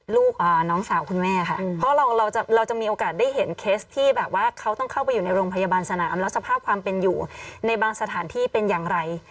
น้องสาวคุณแม่ค่ะเพราะเราจะมีโอกาสได้เห็นเคสที่แบบว่าเขาต้องเข้าไปอยู่ในโรงพยาบาลสนามแล้วสภาพความเป็นอยู่ในบางสถานที่เป็นอย่างไร